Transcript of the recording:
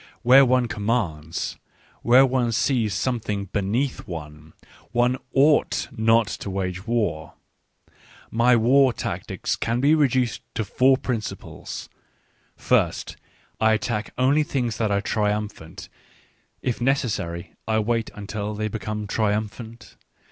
Where one commands, where one sees something beneath one, oneifigtf/nottowage war. My war tactics can be reduced to four principles : First, I attack only things that are triumphant— if necessary I wait until they become triumphant.